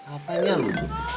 apaan ya lu